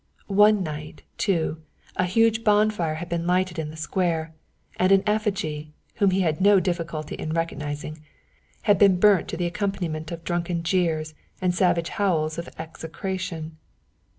One night, too, a huge bonfire had been lighted in the square, and an effigy, whom he had no difficulty in recognizing, had been burnt to the accompaniment of drunken jeers and savage howls of execration.